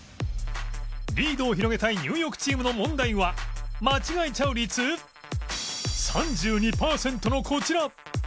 リードを広げたいニューヨークチームの問題は間違えちゃう率３２パーセントのこちら